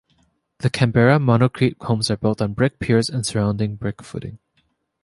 The Canberra monocrete homes are built on brick piers and surrounding brick footing.